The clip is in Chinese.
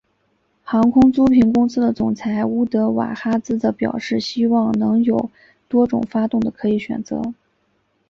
航空租赁公司的总裁乌德瓦哈兹则表示希望能有多种发动的可以选择。